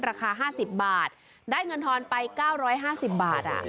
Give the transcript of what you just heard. ราคาห้าสิบบาทได้เงินทรอนไปเก้าร้อยห้าสิบบาทอ่ะ